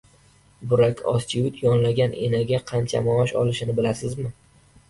Burak Ozchivit yollagan enaga qancha maosh olishini bilasizmi?